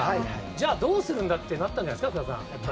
じゃあ、どうするんだってなったんじゃないですか福田さん。